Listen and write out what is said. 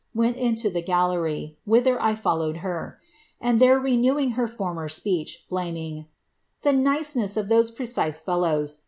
went inlo the gallery, whither ] followeii her; and there renew ing her former speech, hlaming ^ the niceness of those precise fellii<r*.